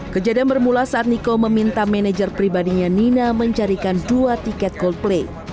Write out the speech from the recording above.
kejadian bermula saat niko meminta manajer pribadinya nina mencarikan dua tiket coldplay